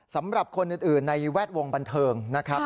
สำหรับคนอื่นในแวดวงบันเทิงนะครับ